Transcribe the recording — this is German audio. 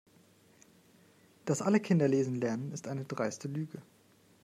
Dass alle Kinder lesen lernen, ist eine dreiste Lüge.